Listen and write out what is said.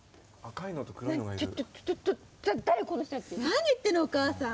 何言ってんのお母さん。